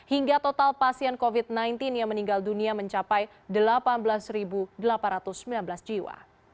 hingga total pasien covid sembilan belas yang meninggal dunia mencapai delapan belas delapan ratus sembilan belas jiwa